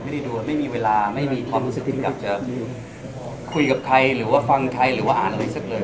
ดูไม่มีเวลาไม่มีความรู้สึกที่ไม่อยากจะคุยกับใครหรือว่าฟังใครหรือว่าอ่านอะไรสักเลย